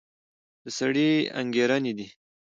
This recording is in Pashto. د سړي انګېرنې دي.